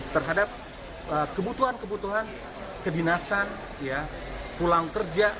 terhadap kebutuhan kebutuhan kedinasan pulang kerja